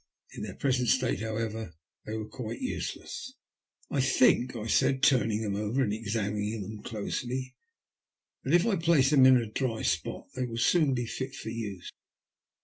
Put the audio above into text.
In their present state, however, they were quite useless. 183 THE LUST OF HATB. " I think/' I Baid, turning them over and examining them closely, that if I place them in a dry spot they will soon be fit for ase."